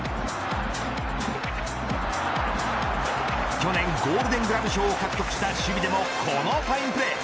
去年ゴールデン・グラブ賞を獲得した守備でもこのファインプレー。